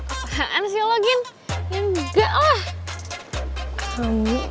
apaan sih lo gin ya enggak lah